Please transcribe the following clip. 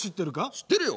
知ってるよ！